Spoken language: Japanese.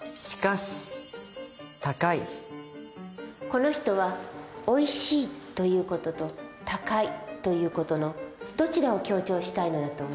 この人は「おいしい」という事と「高い」という事のどちらを強調したいのだと思う？